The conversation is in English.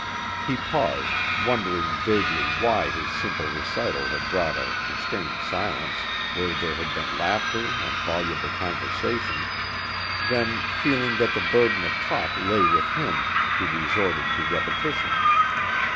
He paused, wondering vaguely why his simple recital had brought a constrained silence, where there had been laughter and voluble conversation, then feeling that the burden of talk lay with him, he resorted to repetition.